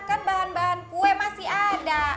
kan bahan bahan kue masih ada